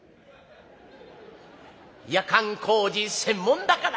夜間工事専門だから。